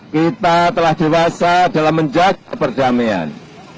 kita telah dewasa dalam menjaga perdamaian